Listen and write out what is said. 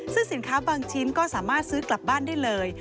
ซึ่งสินค้าบางชิ้นก็สามารถซื้อกลับบ้านได้เลย